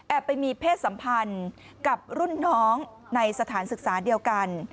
ไปมีเพศสัมพันธ์กับรุ่นน้องในสถานศึกษาเดียวกัน